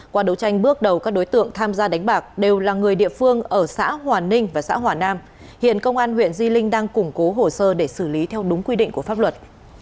qua đấu tranh bước đầu các đối tượng tham gia đánh bạc đều là người địa phương ở xã hòa ninh và xã hòa nam hiện công an huyện di linh đang củng cố hồ sơ để xử lý theo đúng quy định của pháp luật